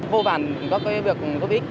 vô vàn có cái việc giúp ích